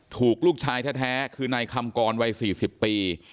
ถูกลูกชายแท้แท้คือในคำกรวัยสี่สิบปี